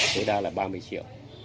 tối đa là ba mươi triệu